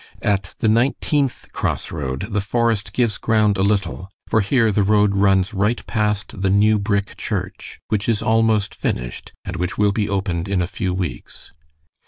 At the nineteenth cross road the forest gives ground a little, for here the road runs right past the new brick church, which is almost finished, and which will be opened in a few weeks.